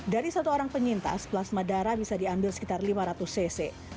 dari satu orang penyintas plasma darah bisa diambil sekitar lima ratus cc